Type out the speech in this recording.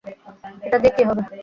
এটা দিয়ে কী হবে?